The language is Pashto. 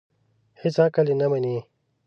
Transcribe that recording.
هېڅ عقل یې نه مني.